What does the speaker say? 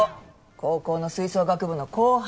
高校の吹奏楽部の後輩。